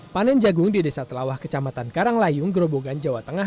panen jagung di desa telawah kecamatan karanglayung gerobogan jawa tengah